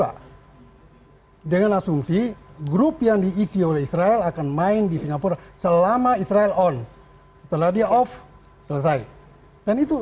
oke bisa jadi kesimpulan political show ini